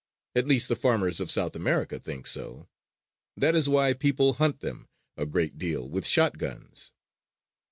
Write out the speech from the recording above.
At least the farmers of South America think so. That is why people hunt them a great deal with shotguns.